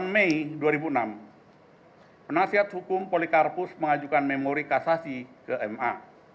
sembilan mei dua ribu enam penasihat hukum polikarpus mengajukan memori kasasi ke ma